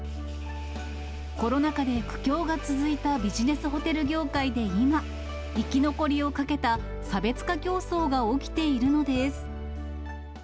コロナ禍で苦境が続いたビジネスホテル業界で今、生き残りをかけた差別化競争が起きているのです。